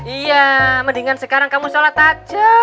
iya mendingan sekarang kamu sholat aceh